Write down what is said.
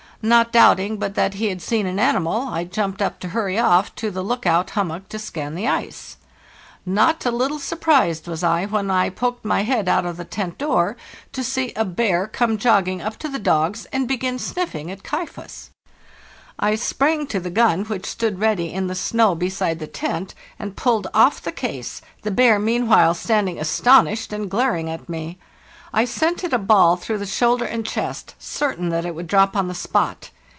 Not doubting but that he had seen an animal, | jumped up to hurry off to the lookout hum mock to scan the ice. Not a little surprised was I when I poked my head out of the tent door to see a bear come jogging up to the dogs and begin sniffing at 'Kaifas. I sprang to the gun, which stood ready in the snow beside the tent, and pulled off the case, the bear meanwhile standing astonished and glaring at me. I sent it a ball through the shoulder and chest, certain that it would drop on the spot.